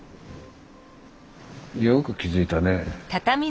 よく気付いたね。